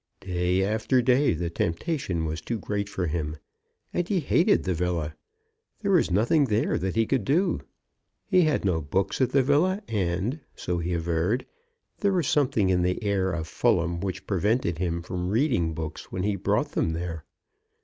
Day after day the temptation was too great for him. And he hated the villa. There was nothing there that he could do. He had no books at the villa; and, so he averred, there was something in the air of Fulham which prevented him from reading books when he brought them there.